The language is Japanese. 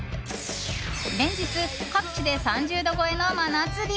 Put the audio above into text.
連日、各地で３０度超えの真夏日。